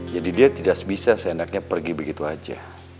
jadi dia tidak bisa seandainya pergi begitu aja